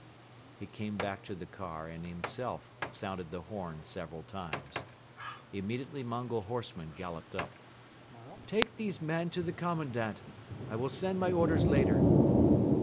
..." He came back to the car and himself sounded the horn several times. Immediately Mongol horsemen galloped up. "Take these men to the Commandant. I will send my orders later."